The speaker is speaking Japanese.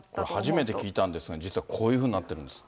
初めて聞いたんですが、実はこういうふうになってるんですっ